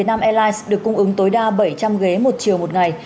airlines được cung ứng tối đa bảy trăm linh ghế một chiều một ngày